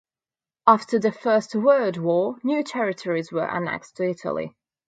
After the First World War, new territories were annexed to Italy.